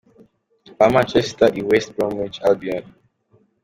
ba Manchester i West Bromich Albion.